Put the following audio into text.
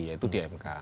yaitu di mk